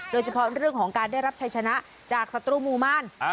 โดยเฉพาะเรื่องของการได้รับชัยชนะจากศัตรูหมู่มาร